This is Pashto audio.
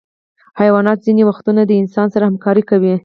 حیوانات ځینې وختونه د انسان سره همکاري کوي.